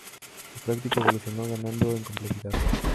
Su práctica evolucionó ganando en complejidad.